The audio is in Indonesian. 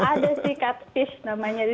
ada sih cut fish namanya